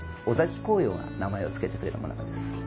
尾崎紅葉が名前をつけてくれたものです。